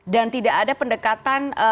dan tidak ada pendekatan